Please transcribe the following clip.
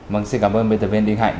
mình xin cảm ơn biên tập viên đinh hạnh